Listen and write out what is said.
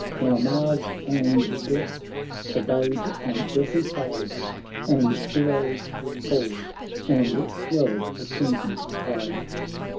Now Mars and death pervade on every side, And heroes fall and swell the crimson tide.